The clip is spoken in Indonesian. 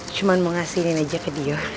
cuma mau ngasihin aja ke dia